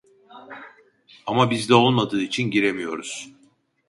Ama bizde olmadığı için giremiyoruz